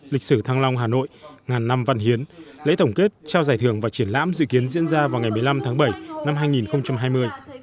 lịch sử thăng long hà nội ngàn năm văn hiến lễ tổng kết trao giải thưởng và triển lãm dự kiến diễn ra vào ngày một mươi năm tháng bảy năm hai nghìn hai mươi